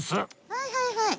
はいはいはい。